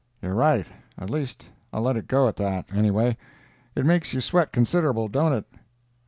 "You're right—at least I'll let it go at that, anyway. It makes you sweat considerable, don't it?"